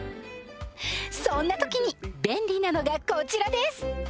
そんな時に便利なのがこちらです